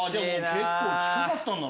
結構近かったんだ。